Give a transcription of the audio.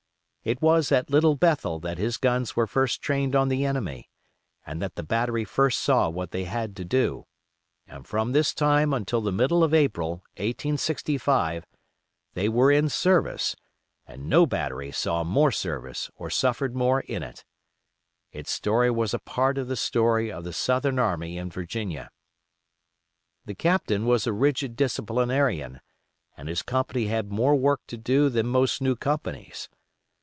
It was at "Little Bethel" that his guns were first trained on the enemy, and that the battery first saw what they had to do, and from this time until the middle of April, 1865, they were in service, and no battery saw more service or suffered more in it. Its story was a part of the story of the Southern Army in Virginia. The Captain was a rigid disciplinarian, and his company had more work to do than most new companies.